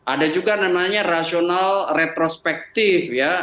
ada juga namanya rasional retrospektif ya